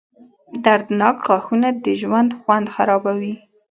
• دردناک غاښونه د ژوند خوند خرابوي.